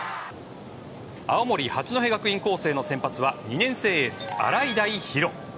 青森・八戸学院光星の先発は２年生エース、洗平比呂。